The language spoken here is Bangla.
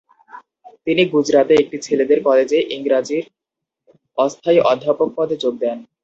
তিনি গুজরাতে একটি ছেলেদের কলেজে ইংরাজির অস্থায়ী অধ্যাপক পদে যোগ দেন।